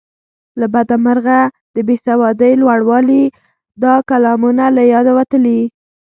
له بده مرغه د بې سوادۍ لوړوالي دا کلامونه له یاده وتلي.